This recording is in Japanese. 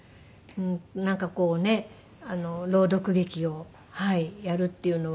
なんかこうねあの朗読劇をやるっていうのは。